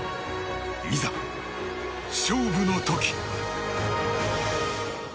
いざ、勝負の時！